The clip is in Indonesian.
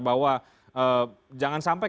bahwa jangan sampai